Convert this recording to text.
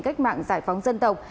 cách mạng giải phóng dân tộc